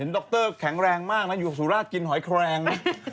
ดรแข็งแรงมากนะอยู่สุราชกินหอยแคลง